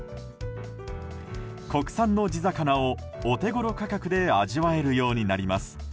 国産の地魚をお手ごろ価格で味わえるようになります。